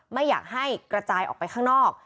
ไม่อยากให้กระจายออกไปข้างนอก